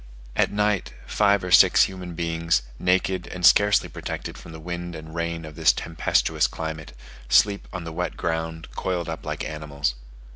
At night, five or six human beings, naked and scarcely protected from the wind and rain of this tempestuous climate, sleep on the wet ground coiled up like animals.